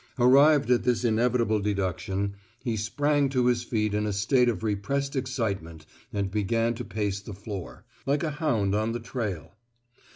Arrived at this inevitable deduction, he sprang to his feet in a state of repressed excitement and began to pace the floor like a hound on the trail.